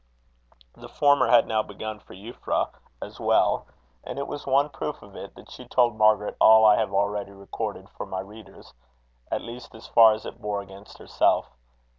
The former had now begun for Euphra as well; and it was one proof of it that she told Margaret all I have already recorded for my readers, at least as far as it bore against herself.